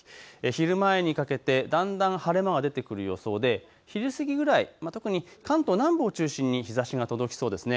昼前にかけてだんだん晴れ間が出てくる予想で昼すぎぐらい特に関東南部を中心に日ざしが届きそうです。